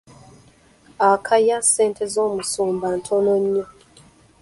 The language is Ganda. Akaya ssente z'amusaba ntonno nnyo.